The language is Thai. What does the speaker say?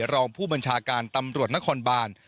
รองผู้บัญชาการตำรวจนครบาน